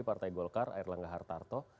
partai golkar air langga hartarto